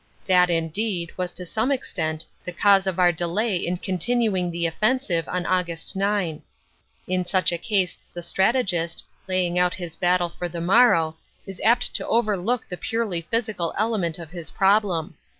That, indeed, was to some extent the cause for our delay in continuing the offensive on Aug. 9. In such a case the strategist, laying out his battle for the morrow, is apt to overlook the purely physical element of his problem.